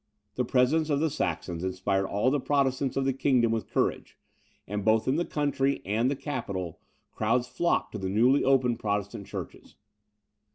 The presence of the Saxons inspired all the Protestants of the kingdom with courage; and, both in the country and the capital, crowds flocked to the newly opened Protestant churches.